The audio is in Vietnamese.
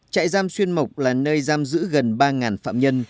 trại giam xuyên mộc là nơi giam giữ gần ba phạm nhân